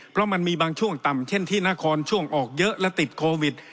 เพราะมันมีบางช่วงต่ำเช่นที่นครช่วงออกเยอะและติดโควิด